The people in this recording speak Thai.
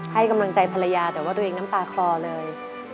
ให้กำลังใจภรรยาแต่ว่าตัวเองน้ำตาคลอเลย